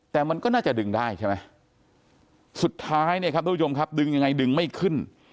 แต่มันก็น่าจะดึงได้ใช่ไหมสุดท้ายเนี่ยครับทุกผู้ชมครับดึงยังไงดึงไม่ขึ้น